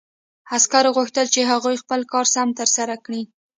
عسکرو غوښتل چې هغوی خپل کار سم ترسره کړي